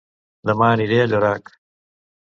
Dema aniré a Llorac